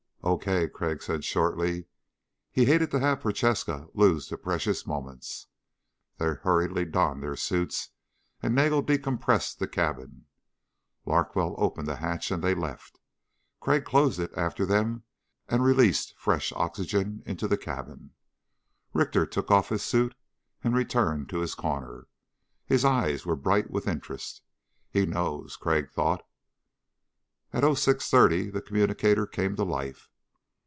"Okay," Crag said shortly. He hated to have Prochaska lose the precious moments. They hurriedly donned their suits and Nagel decompressed the cabin, Larkwell opened the hatch and they left. Crag closed it after them and released fresh oxygen into the cabin. Richter took off his suit and returned to his corner. His eyes were bright with interest. He knows, Crag thought. At 0630 the communicator came to life.